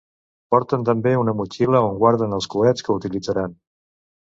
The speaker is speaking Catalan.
Porten també una motxilla on guarden els coets que utilitzaran.